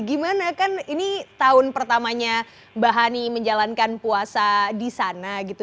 gimana kan ini tahun pertamanya mbak hani menjalankan puasa di sana gitu